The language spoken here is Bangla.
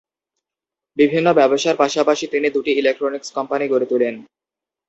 বিভিন্ন ব্যবসার পাশাপাশি তিনি দুটি ইলেক্ট্রনিক্স কোম্পানি গড়ে তুলেন।